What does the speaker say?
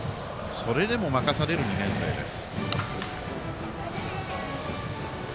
それでも任される２年生です。